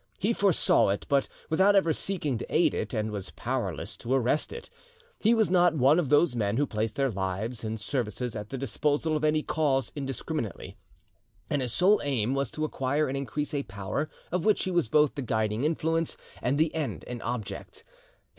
He foresaw it, but without ever seeking to aid it, and was powerless to arrest it. He was not one of those men who place their lives and services at the disposal of any cause indiscriminately; and his sole aim was to acquire and increase a power of which he was both the guiding influence, and the end and object.